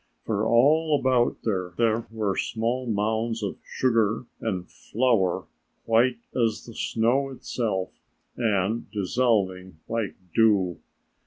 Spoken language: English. For all about her there were small mounds of sugar and flour white as the snow itself and dissolving like dew.